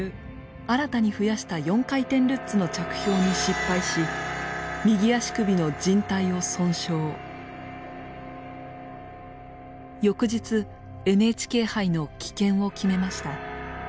新たに増やした４回転ルッツの着氷に失敗し翌日ＮＨＫ杯の棄権を決めました。